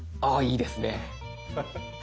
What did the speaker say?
いいですね。